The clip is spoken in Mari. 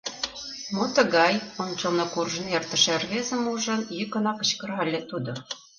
— Мо тыгай?! — ончылно куржын эртыше рвезым ужын, йӱкынак кычкырале тудо.